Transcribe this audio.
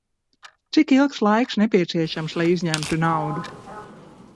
Cik ilgs laiks nepieciešams, lai izņemtu naudu?